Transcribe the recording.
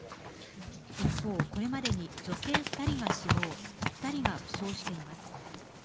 一方、これまでに女性２人が死亡２人が負傷しています。